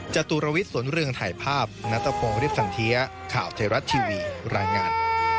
จตุรวิทย์สนเรืองถ่ายภาพนัตรพงศ์ฤทธสันเทียข่าวไทยรัฐทีวีรายงาน